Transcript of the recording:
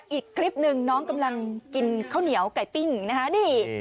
อีกคลิปหนึ่งน้องกำลังกินข้าวเหนียวไก่ปิ้งนะคะนี่